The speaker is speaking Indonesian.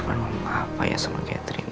mama irfan memapa ya sama catherine